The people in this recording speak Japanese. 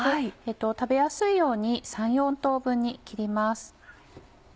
食べやすいように３４等分に切ります。